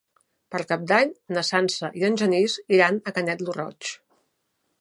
Per Cap d'Any na Sança i en Genís iran a Canet lo Roig.